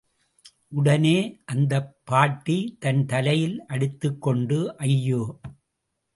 உடனே அந்தப் பாட்டி, தன் தலையில் அடித்துக் கொண்டு, ஐயோ!